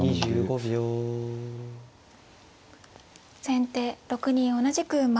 先手６二同じく馬。